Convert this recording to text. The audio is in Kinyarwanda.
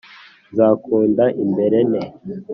nzakunda imbere nte ?